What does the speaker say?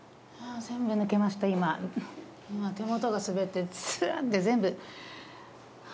今手元が滑ってすんって全部。